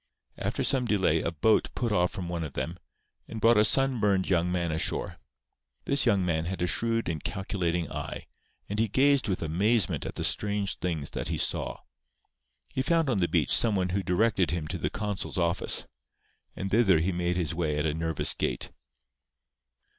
After some delay a boat put off from one of them, and brought a sunburned young man ashore. This young man had a shrewd and calculating eye; and he gazed with amazement at the strange things that he saw. He found on the beach some one who directed him to the consul's office; and thither he made his way at a nervous gait.